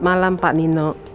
terima kasih pak